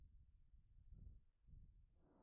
Esta es la astronomía de onda gravitatoria.